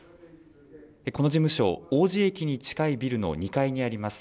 この事務所、おうじ駅に近いビルの２階にあります。